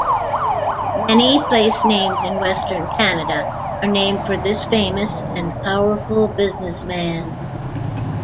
Many placenames in Western Canada are named for this famous and powerful businessman.